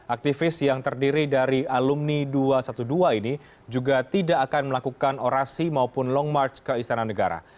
aktivis yang terdiri dari alumni dua ratus dua belas ini juga tidak akan melakukan orasi maupun long march ke istana negara